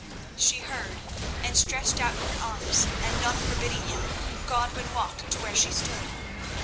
She heard and stretched out her arms, and, none forbidding him, Godwin walked to where she stood.